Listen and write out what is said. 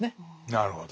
なるほど。